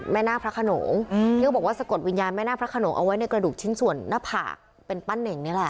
นาคพระขนงที่เขาบอกว่าสะกดวิญญาณแม่นาคพระขนงเอาไว้ในกระดูกชิ้นส่วนหน้าผากเป็นปั้นเน่งนี่แหละ